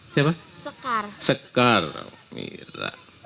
siapa tadi mira